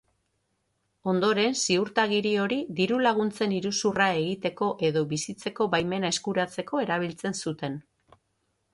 Ondoren ziurtagiri hori diru-laguntzen iruzurra egiteko edo bizitzeko baimena eskuratzeko erabiltzen zuten.